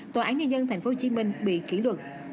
tòa án nhân dân thành phố hồ chí minh bị kỉ luật